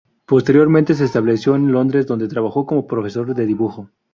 Posteriormente se estableció en Londres, donde trabajó como profesor de dibujo.